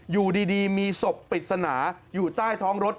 อยู่ดีมีศพปริศนาอยู่ใต้ท้องรถ